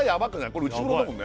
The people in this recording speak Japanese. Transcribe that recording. これ内風呂だもんね